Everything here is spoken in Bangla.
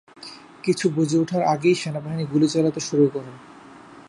কিছু বুঝে ওঠার আগেই সেনাবাহিনী গুলি চালাতে শুরু করে।